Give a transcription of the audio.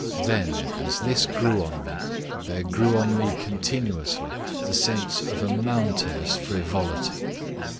Then, as this grew on me, there grew on me continuously the sense of a mountainous frivolity.